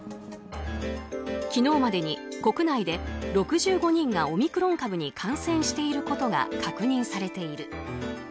昨日までに国内で６５人がオミクロン株に感染していることが確認されている。